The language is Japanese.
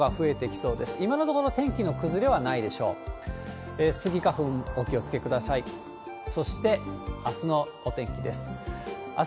そして、あすのお天気です。